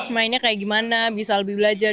mainnya kayak gimana bisa lebih belajar